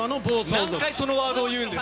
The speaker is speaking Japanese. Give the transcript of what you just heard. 何回そのワードを言うんです